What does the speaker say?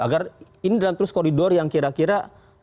agar ini terus dalam koridor yang kira kira